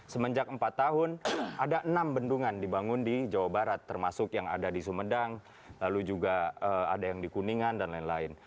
semenjak empat tahun ada enam bendungan dibangun di jawa barat termasuk yang ada di sumedang lalu juga ada yang di kuningan dan lain lain